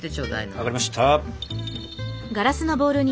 分かりました。